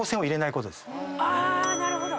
あなるほど！